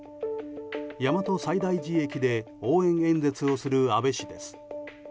大和西大寺駅で応援演説をする安倍氏です。